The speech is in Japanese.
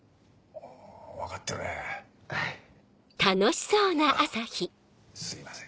あっすいません。